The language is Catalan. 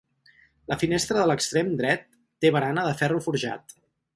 La finestra de l'extrem dret té barana de ferro forjat.